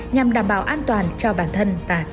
nhằm đảm bảo an toàn cho bản thân và gia đình